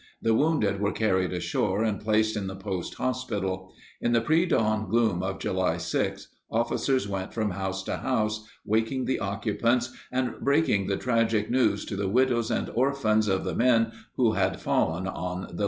The wounded were carried ashore and placed in the post hospital. In the predawn gloom of July 6, officers went from house to house waking the occupants and breaking the tragic news to the widows and orphans of the men who had fallen on the Little Bighorn.